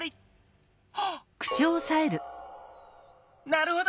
なるほど！